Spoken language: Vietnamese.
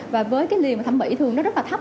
và với cái liều mà thẩm mỹ thường nó rất là thấp